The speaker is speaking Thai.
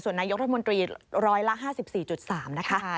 ส่วนนายกรัฐมนตรี๑๕๔๓นะคะ